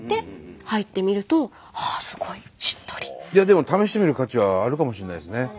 でも試してみる価値はあるかもしれないですね。